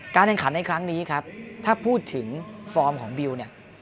แข่งขันในครั้งนี้ครับถ้าพูดถึงฟอร์มของบิวเนี่ย